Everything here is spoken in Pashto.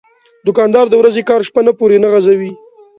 دوکاندار د ورځې کار شپه نه پورې نه غځوي.